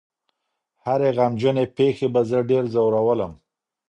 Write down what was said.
هرې غمجنې پېښې به زه ډېر ځورولم.